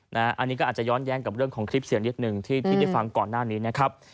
อันนี้ก็อาจจะย้อนแย้งกับเรื่องของคลิปเสียงนิดหนึ่งที่ได้ฟังก่อนหน้านี้นะครับ